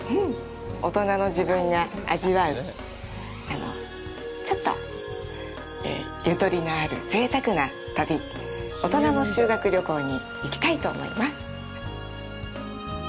大人の自分が味わう、ちょっとゆとりのある、ぜいたくな旅、大人の修学旅行に行きたいと思います。